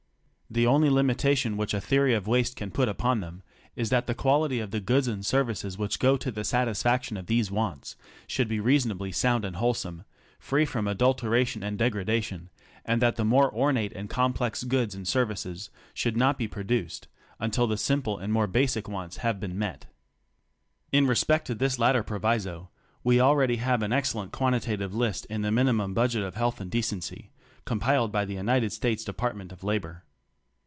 The only limitation which a theory of waste can put upon them is that the quality of the goods and services which go to the satisfaction of these wants should be reasonably sound and wholesome, free from adul teration and degradation, and that the more ornate and com plex goods and services should not be produced until the simple and more basic wants have been met. In respect to this latter proviso, we already have an excellent quantitative list in the minimum Budget of Health and Decency compiled by the United States Department of Labor.